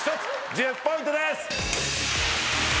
１０ポイントです！